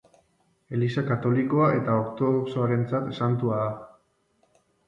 Eliza Katolikoa eta Ortodoxoarentzat santua da.